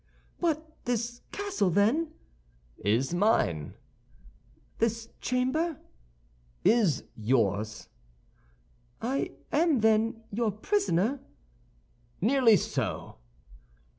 "But this castle, then?" "Is mine." "This chamber?" "Is yours." "I am, then, your prisoner?" "Nearly so."